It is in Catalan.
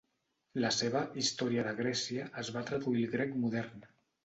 La seva "Història de Grècia" es va traduir al grec modern.